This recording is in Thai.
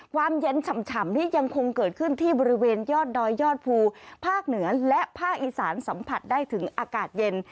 ความเย็นฉ่ำนี่ยังคงเกิดขึ้นที่บริเวณยอดดอยยอดภูภาคเหนือและภาคอีสานสัมผัสได้ถึงอากาศเย็น